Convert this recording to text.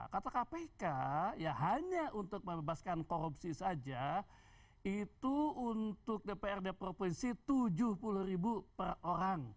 kata kpk ya hanya untuk membebaskan korupsi saja itu untuk dprd provinsi tujuh puluh ribu per orang